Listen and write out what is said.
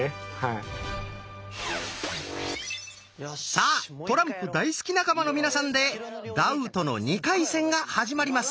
さあトランプ大好き仲間の皆さんでダウトの２回戦が始まります！